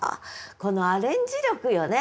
このアレンジ力よね。